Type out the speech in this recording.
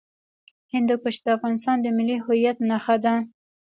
هندوکش د افغانستان د ملي هویت نښه ده.